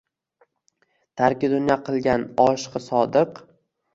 Tarki dunyo qilgan oshiqi sodiq.